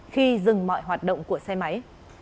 khi dừng mọi hoạt động của xe máy